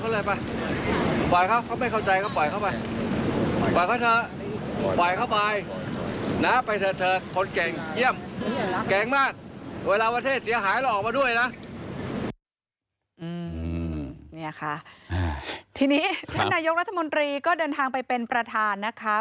นี่ค่ะทีนี้ท่านนายกรัฐมนตรีก็เดินทางไปเป็นประธานนะคะ